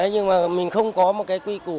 nhưng mà mình không có một cái quy củ